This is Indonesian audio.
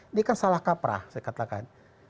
ini kan salah kaprah saya katakan